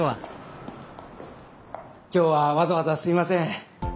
今日はわざわざすいません。